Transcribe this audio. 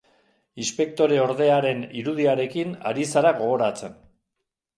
Inspektoreordearen irudiarekin ari zara gogoratzen.